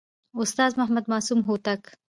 استاد محمد معصوم هوتک